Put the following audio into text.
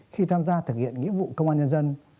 khi tham gia thực hiện nghĩa vụ công an nhân dân